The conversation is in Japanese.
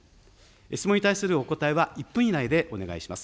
質問に対するお答えは１分以内でお願いします。